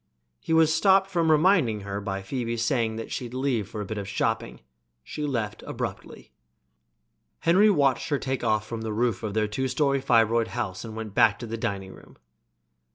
He was stopped from reminding her by Phoebe's saying that she'd leave for a bit of shopping. She left abruptly. Henry watched her takeoff from the roof of their two story fibroid house and went back to the dining room.